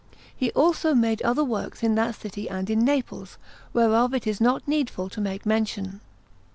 He also made other works in that city and in Naples, whereof it is not needful to make mention.